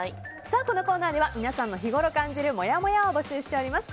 このコーナーでは皆さんの日ごろ感じるもやもやを募集しております。